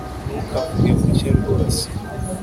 ntukavuge gutya rwose